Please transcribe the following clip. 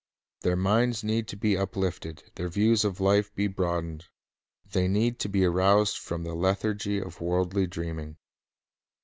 Their minds need to be uplifted, their views of life to be broadened. They need to be aroused from the lethargy of worldly dreaming.